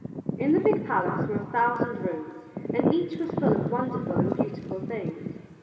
In the big palace were a thousand rooms, and each was full of wonderful and beautiful things.